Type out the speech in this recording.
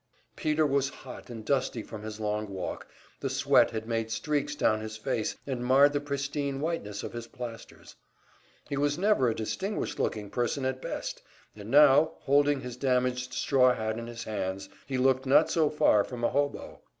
Peter was hot and dusty from his long walk, the sweat had made streaks down his face and marred the pristine whiteness of his plasters. He was never a distinguished looking person at best, and now, holding his damaged straw hat in his hands, he looked not so far from a hobo.